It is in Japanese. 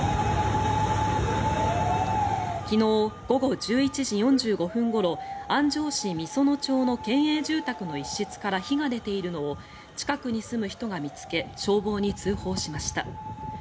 昨日午後１１時４５分ごろ安城市美園町の県営住宅の一室から火が出ているのを近くに住む人が見つけ消防に通報しました。